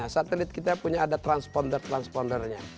satelit kita punya ada transponder transpondernya